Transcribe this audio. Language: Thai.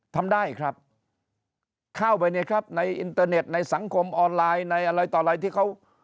ทำได้ครับเข้าไปเนี่ยครับในอินเตอร์เน็ตในสังคมออนไลน์ในอะไรต่ออะไรที่เขา